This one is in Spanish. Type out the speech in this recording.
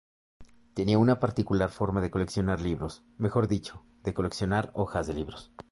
Tenía una particular forma de coleccionar libros, mejor dicho, de coleccionar hojas de libros.